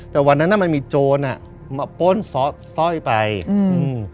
แต่วันนั้นน่ะมันมีโจรอ่ะมาป้นซ้อสร้อยไปอืม